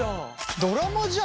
ドラマじゃん